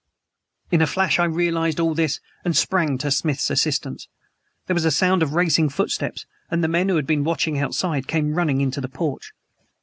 In a flash I realized all this and sprang to Smith's assistance. There was a sound of racing footsteps and the men who had been watching outside came running into the porch.